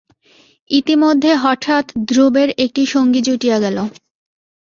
ইতিমধ্যে হঠাৎ ধ্রুবের একটি সঙ্গী জুটিয়া গেল।